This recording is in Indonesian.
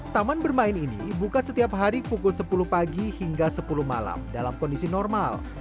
taman bermain ini buka setiap hari pukul sepuluh pagi hingga sepuluh malam dalam kondisi normal